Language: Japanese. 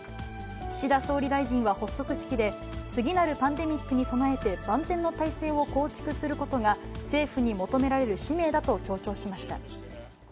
岸田総理大臣は発足式で、次なるパンデミックに備えて、万全の体制を構築することが、政府に求められる使命だと強調しました。